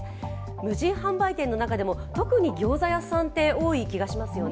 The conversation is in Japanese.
無人販売店の中でも、特にギョーザ屋さんって、多い気がしますよね。